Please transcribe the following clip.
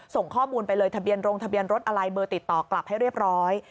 ส่งข้อมูลไปเลยทะเบียนโรงทะเบียนรถอะไรเบอร์ติดต่อกลับให้เรียบร้อย